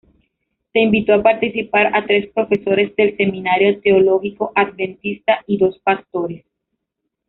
Se invitó a participar a tres profesores del Seminario Teológico Adventista y dos pastores.